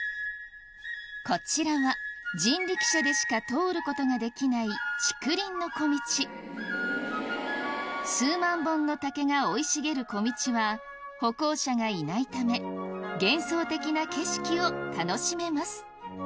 こちらは人力車でしか通ることができない竹林の小径数万本の竹が生い茂る小径は歩行者がいないため幻想的な景色を楽しめます